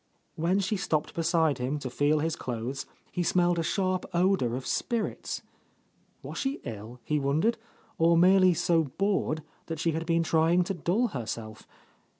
When she stopped beside him to feel his clothes, he smelled a sharp odour of spirits. Was she ill, he wondered, or merely so bored that she had been trying to dull herself?